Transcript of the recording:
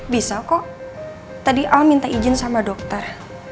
bisa kok tadi al minta izin sama dokter